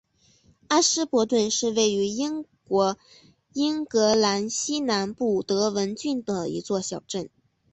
阿什伯顿是位于英国英格兰西南部德文郡的一座小镇。